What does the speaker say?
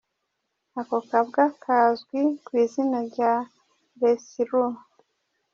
Ako kabwa kazwi ku izina rya Lacy Loo.